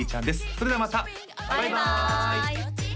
それではまたバイバーイ！